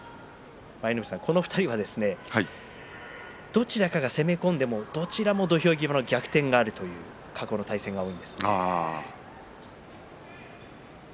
舞の海さん、この２人はどちらかが攻め込んでもどちらも土俵際の逆転があるという、過去の対戦が多いですね。